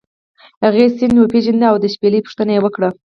هغې سید وپیژنده او د شپیلۍ پوښتنه یې وکړه.